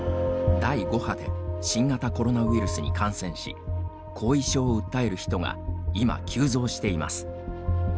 第５波で新型コロナウイルスに感染し後遺症を訴える人が今、急増しています。